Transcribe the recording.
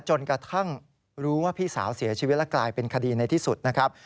จนกระทั่งรู้ว่าพี่สาวเสียชีวิตและกลายเป็นคดีในที่สุดนะครับ